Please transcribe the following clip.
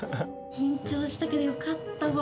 緊張したけどよかったわ！